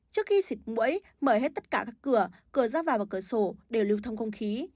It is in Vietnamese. trước khi xịt mũi mở hết tất cả các cửa cửa ra vào và cửa sổ đều lưu thông không khí